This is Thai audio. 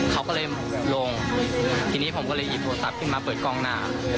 เขาก็เลยลงทีนี้ผมก็เลยหยิบโทรศัพท์ขึ้นมาเปิดกล้องหน้า